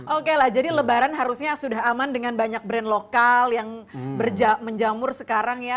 oke lah jadi lebaran harusnya sudah aman dengan banyak brand lokal yang menjamur sekarang ya